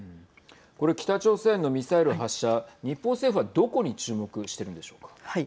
これ北朝鮮のミサイル発射日本政府はどこに注目してるんでしょうか。